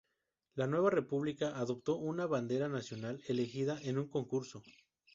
La nueva República adoptó una bandera nacional elegida en un concurso.